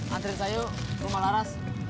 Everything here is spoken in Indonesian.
hantarin saya yuk ke rumah laras